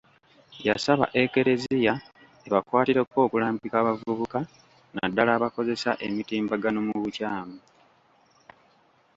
Yasaba Ekereziya ebakwatireko okulambika abavubuka naddala abakozesa emitimbagano mu bukyamu.